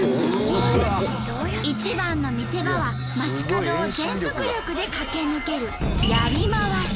一番の見せ場は街角を全速力で駆け抜けるやりまわし。